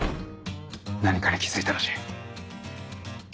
何かに気付いたらしい。